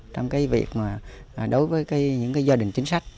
trong cái việc mà đối với những gia đình chính sách